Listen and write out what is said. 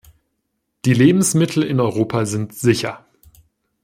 Die Lebensmittel in Europa sind sicher.